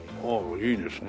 いいですね。